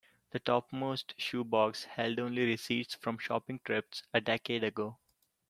The topmost shoe box held only receipts from shopping trips a decade ago.